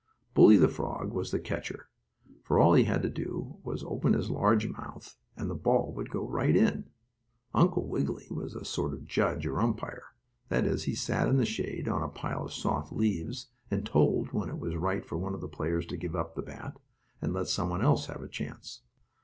Bully, the frog, was the catcher, for all he had to do was to open his large mouth, and the ball would go right in. Uncle Wiggily was a sort of judge, or umpire. That is, he sat in the shade, on a pile of soft leaves, and told when it was right for one of the players to give up the bat, and let some one else have a chance.